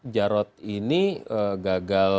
jarod ini gagal di jakarta